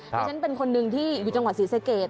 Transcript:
ดิฉันเป็นคนหนึ่งที่อยู่จังหวัดศรีสเกต